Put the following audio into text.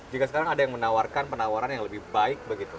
jika sekarang ada yang menawarkan penawaran yang lebih baik begitu